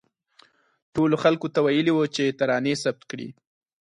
ټولو خلکو ته ویلي وو چې ترانې ثبت کړي.